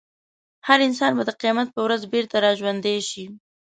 هر انسان به د قیامت په ورځ بېرته راژوندی شي.